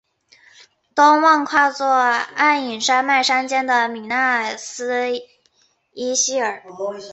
东望跨坐黯影山脉山肩的米那斯伊希尔。